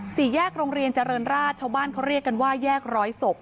สี่แยกโรงเรียนเจริญราชชาวบ้านเขาเรียกกันว่าแยกร้อยศพ